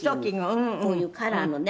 「こういうカラーのね